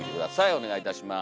お願いいたします。